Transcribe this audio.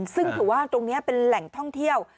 ซึ่งถือว่าตรงนี้เป็นแหล่งท่องเที่ยว